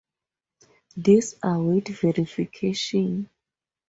These await verification.